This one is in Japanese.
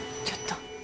ちょっと。